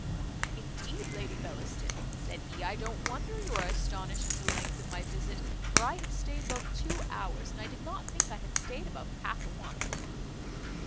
"Indeed, Lady Bellaston," said he, "I don't wonder you are astonished at the length of my visit; for I have staid above two hours, and I did not think I had staid above half a one."